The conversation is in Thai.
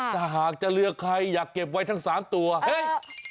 แต่หากจะเลือกใครอยากเก็บไว้ทั้ง๓ตัวเฮ้ย